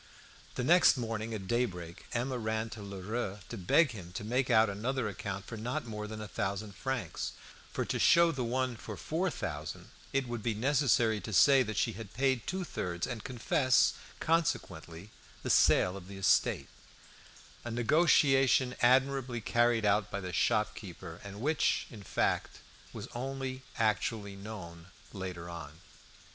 The next morning at daybreak Emma ran to Lheureux to beg him to make out another account for not more than a thousand francs, for to show the one for four thousand it would be necessary to say that she had paid two thirds, and confess, consequently, the sale of the estate a negotiation admirably carried out by the shopkeeper, and which, in fact, was only actually known later on.